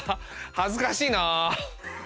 恥ずかしいなぁ。